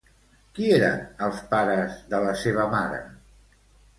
Qui eren els pares de la seva mare?